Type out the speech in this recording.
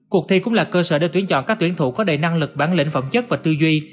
cuộc thi cũng là cơ sở để tuyển chọn các tuyển thủ có đầy năng lực bản lĩnh phẩm chất và tư duy